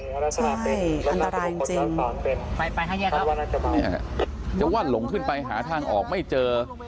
ใช่อันตรายจริงจริงไปครับจะว่าหลงขึ้นไปหาทางออกไม่เจอ